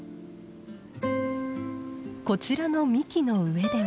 こちらの幹の上では。